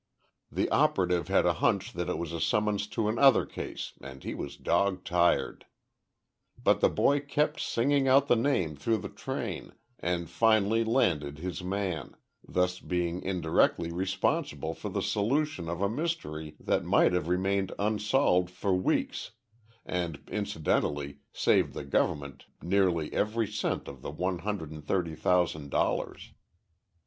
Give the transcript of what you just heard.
"The operative had a hunch that it was a summons to another case and he was dog tired. But the boy kept singing out the name through the train and finally landed his man, thus being indirectly responsible for the solution of a mystery that might have remained unsolved for weeks and incidentally saved the government nearly every cent of the one hundred and thirty thousand dollars."